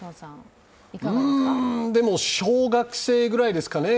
うーん、でも小学生ぐらいですかね。